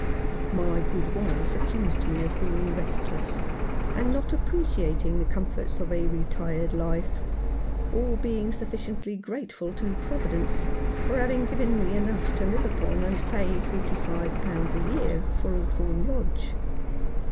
My good wife accused me of being restless, and not appreciating the comforts of a retired life, or 173 Rough Justice. being sufficiently grateful to Providence for having given me enough to live upon and pay forty five pounds a year for Hawthorn Lodge.